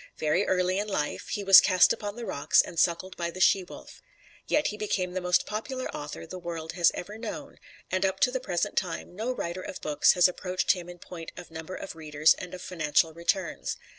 Very early in life he was cast upon the rocks and suckled by the she wolf. Yet he became the most popular author the world has ever known, and up to the present time no writer of books has approached him in point of number of readers and of financial returns.